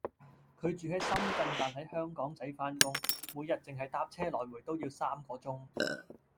佢住深圳但喺香港仔返工，每日淨係搭車來回都要三個鐘